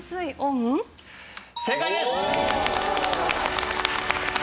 正解です！